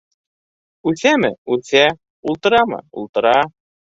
Үҫәме - үҫә, ултырамы - ултыра.